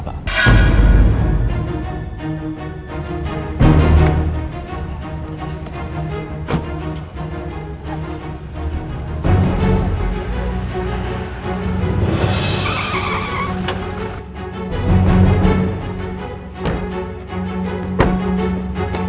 jawab perintah pak